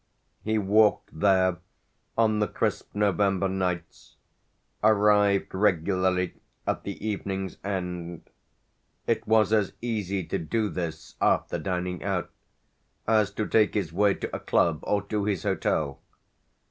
He walked there on the crisp November nights, arrived regularly at the evening's end; it was as easy to do this after dining out as to take his way to a club or to his hotel.